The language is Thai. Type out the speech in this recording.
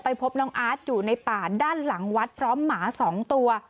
พบน้องอาร์ตอยู่ในป่าด้านหลังวัดพร้อมหมา๒ตัว